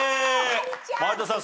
有田さん